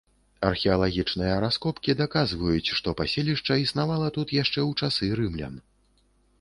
Археалагічныя раскопкі даказваюць, што паселішча існавала тут яшчэ ў часы рымлян.